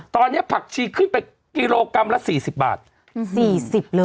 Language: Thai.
ตอนนี้ผักชีขึ้นไปกิโลกรัมละ๔๐บาท๔๐เลย